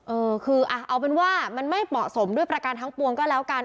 เออคืออ่ะเอาเป็นว่ามันไม่เหมาะสมด้วยประการทั้งปวงก็แล้วกัน